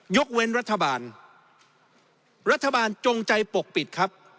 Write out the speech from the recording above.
ยกเว้นรัฐบาลรัฐบาลจงใจปกปิดครับ